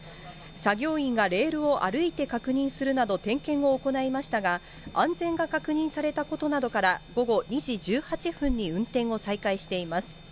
作業員がレールを歩いて確認するなど、点検を行いましたが、安全が確認されたことなどから、午後２時１８分に運転を再開しています。